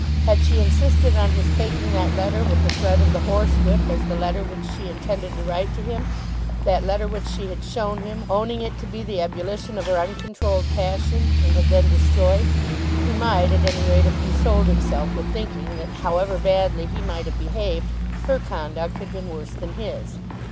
Had she insisted on his taking that letter with the threat of the horsewhip as the letter which she intended to write to him, that letter which she had shown him, owning it to be the ebullition of her uncontrolled passion, and had then destroyed, he might at any rate have consoled himself with thinking that, however badly he might have behaved, her conduct had been worse than his.